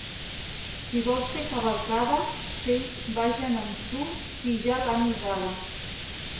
Si vols fer cavalcada, cells vagen amb tu qui ja l'han usada.